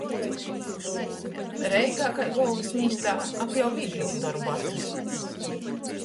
Reigā kai golvysmīstā ak jau vīgļuok dorbu atrast.